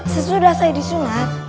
sesudah saya disunat